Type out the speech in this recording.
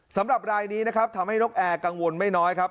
สำหรับรายนี้นะครับทำให้นกแอร์กังวลไม่น้อยครับ